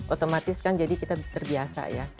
otomatis kan jadi kita terbiasa ya